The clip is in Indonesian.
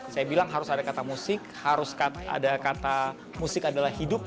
saya bilang harus ada kata musik harus ada kata musik adalah hidup